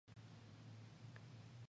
宮城県大衡村